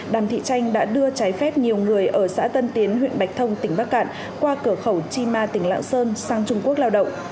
đàm thị tranh đã đưa trái phép nhiều người ở xã tân tiến huyện bạch thông tỉnh bắc cạn qua cửa khẩu chi ma tỉnh lạng sơn sang trung quốc lao động